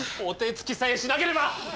お手つきさえしなければ！